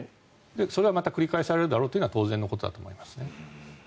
それはまた繰り返されるだろうというのは当然のことだと思います。